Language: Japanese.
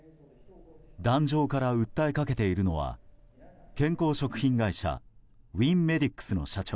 壇上から訴えかけているのは健康食品会社ウィンメディックスの社長